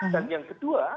dan yang kedua